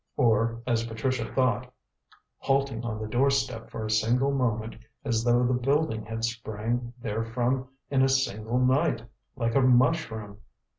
Or, as Patricia thought, halting on the doorstep for a single moment, as though the building had sprang therefrom in a single night, like a mushroom.